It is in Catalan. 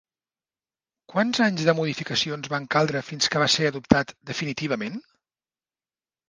Quants anys de modificacions van caldre fins que va ser adoptat definitivament?